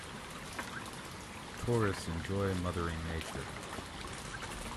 Tourists enjoying mother nature.